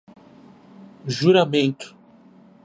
juramentado